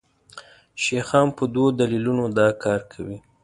شیخان په دوو دلیلونو دا کار کوي.